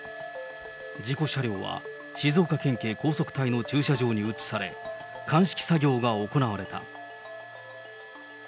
事故車両は、静岡県警高速隊の駐車場に移され、鑑識作業が行われた。